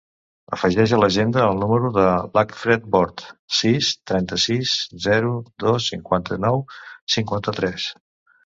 Afegeix a l'agenda el número de l'Acfred Bort: sis, trenta-sis, zero, dos, cinquanta-nou, cinquanta-tres.